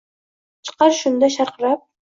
Chiqar shunda sharqirab.